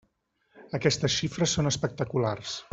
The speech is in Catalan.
Aquestes xifres són espectaculars.